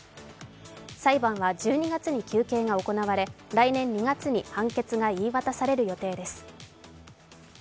裁判は１２月に求刑が行われ来年２月に判決が言い渡される予定です。